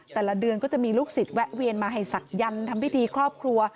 แต่ละเดือนก็จะมีลูกศิษย์แวะเวียนมาให้ศักยันต์ทำพิธีครอบครัว